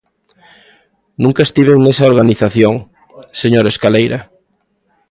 Nunca estiven nesa organización, señor Escaleira.